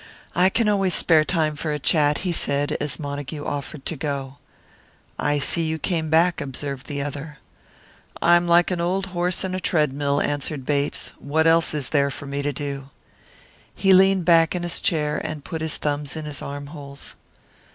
"I can always spare time for a chat," he said, as Montague offered to go. "I see you came back," observed the other. "I'm like an old horse in a tread mill," answered Bates. "What else is there for me to do?" He leaned back in his chair, and put his thumbs in his armholes.